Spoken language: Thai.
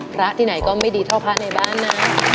พระที่ไหนก็ไม่ดีเท่าพระในบ้านนะ